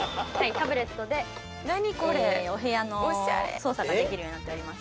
タブレットでお部屋の操作ができるようになっております。